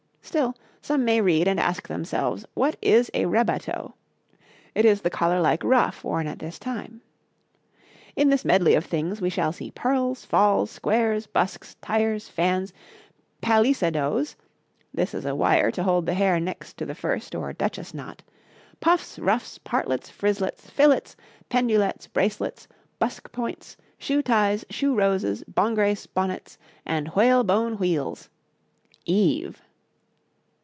Still, some may read and ask themselves what is a rebatoe. It is the collar like ruff worn at this time. In this medley of things we shall see purles, falles, squares, buskes, tires, fans, palisadoes (this is a wire to hold the hair next to the first or duchess knot), puffs, ruffs, partlets, frislets, fillets, pendulets, bracelets, busk points, shoe ties, shoe roses, bongrace bonnets, and whalebone wheels Eve!